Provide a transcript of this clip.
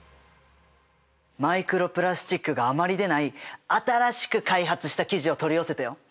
マイクロプラスチックがあまり出ない新しく開発した生地を取り寄せたよ。